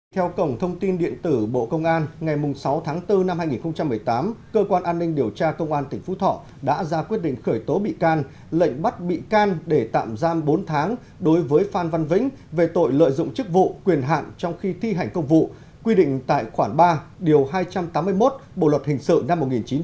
theo cổng thông tin điện tử bộ công an ngày sáu tháng bốn năm hai nghìn một mươi tám cơ quan an ninh điều tra công an tỉnh phú thọ đã ra quyết định khởi tố bị can lệnh bắt bị can để tạm giam bốn tháng đối với phan văn vĩnh về tội lợi dụng chức vụ quyền hạn trong khi thi hành công vụ quy định tại khoản ba điều hai trăm tám mươi một bộ luật hình sự năm một nghìn chín trăm bảy mươi